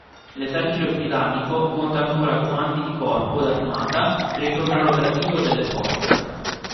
L'esercito britannico conta ancora comandi di corpo d'armata per il controllo operativo delle forze.